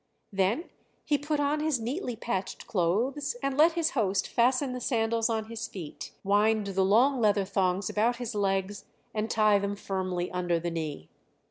Then he put on his neatly patched clothes, and let his host fasten the sandals on his feet, wind the long leather thongs about his legs, and tie them firmly under the knee.